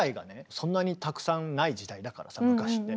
そんなにたくさんない時代だからさ昔って。